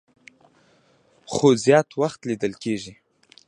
خو زيات وخت ليدل کيږي